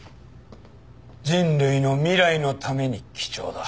人類の未来のために貴重だ。